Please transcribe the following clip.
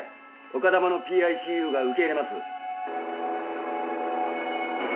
丘珠のＰＩＣＵが受け入れます。